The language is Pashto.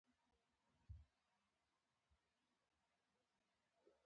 تاسو څنګه یې او کور کې ټول ښه دي